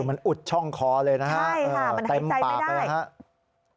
มันอุดช่องคอเลยนะฮะใช่ค่ะมันหายใจไม่ได้